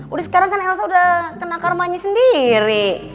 udah sekarang kan elsa udah kena karmanya sendiri